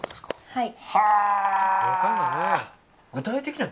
はい。